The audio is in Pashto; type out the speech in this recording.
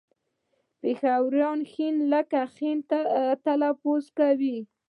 پېښوريان ښ لکه خ تلفظ کوي